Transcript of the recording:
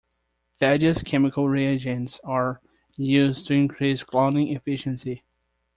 Various chemical reagents are used to increase cloning efficiency.